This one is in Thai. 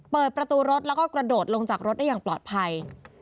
เปิดประตูรถแล้วก็กระโดดลงจากรถได้อย่างปลอดภัย